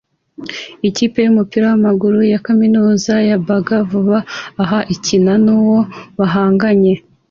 Ikipe yumupira wamaguru ya kaminuza ya Baga vuba aha ikina nuwo bahanganye